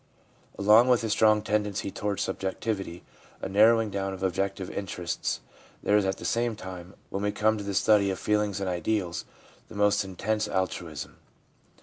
Along with a strong tendency toward subjectivity, a narrowing down of objective interests, there is at the same time, when we come to study the feelings and ideals, the most intense altruism.